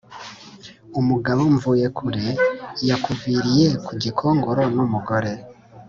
umugabo mvuyekure yakuviriye ku gikongoro n'umugore